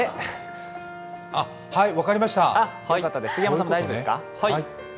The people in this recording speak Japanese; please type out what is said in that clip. はい、分かりました。